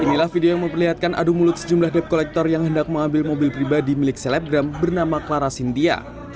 inilah video yang memperlihatkan adu mulut sejumlah dep kolektor yang hendak mengambil mobil pribadi milik selebgram bernama clara sintia